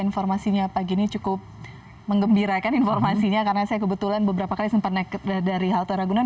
informasinya pagi ini cukup mengembirakan informasinya karena saya kebetulan beberapa kali sempat naik dari halte ragunan